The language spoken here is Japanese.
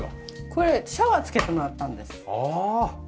これシャワー付けてもらったんです。